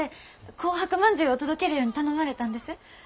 紅白まんじゅうを届けるように頼まれたんです。